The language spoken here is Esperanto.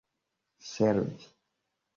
servi